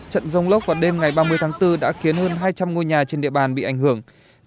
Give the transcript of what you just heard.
trận dông lốc vào đêm ngày ba mươi tháng bốn